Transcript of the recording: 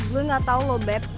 gue gak tau lo beb